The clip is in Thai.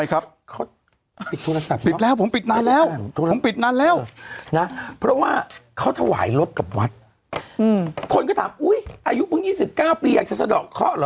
อายุเพิ่ง๒๙ปีอยากจะสะดอกเขาหรอเปล่า